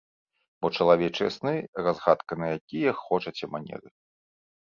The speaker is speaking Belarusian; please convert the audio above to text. Бо чалавечыя сны разгадка на якія хочаце манеры.